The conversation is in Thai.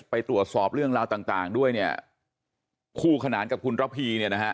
ไปตรวจสอบเรื่องราวต่างด้วยเนี่ยคู่ขนานกับคุณระพีเนี่ยนะฮะ